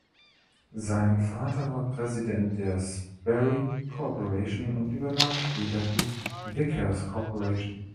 Sein Vater war Präsident der Sperry Corporation und übernahm später die "Vickers Corporation".